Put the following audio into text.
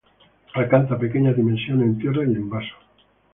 Alcanza pequeñas dimensiones en tierra, y en vaso.